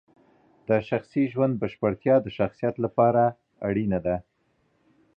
د شخصي ژوند بشپړتیا د شخصیت لپاره اړینه ده.